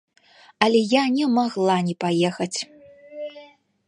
Але я не магла не паехаць.